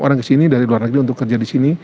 orang kesini dari luar negeri untuk kerja disini